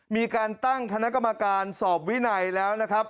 มีการตั้งคณะกรรมการสอบวินัยแล้วนะครับ